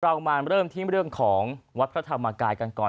เรามาเริ่มที่เรื่องของวัดพระธรรมกายกันก่อน